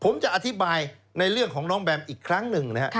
ผมจะอธิบายในเรื่องของน้องแบมอีกครั้งหนึ่งนะครับ